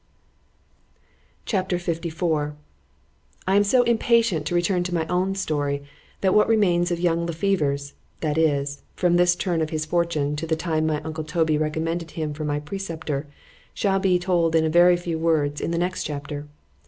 C H A P. LIV I AM so impatient to return to my own story, that what remains of young Le Fever's, that is, from this turn of his fortune, to the time my uncle Toby recommended him for my preceptor, shall be told in a very few words in the next chapter.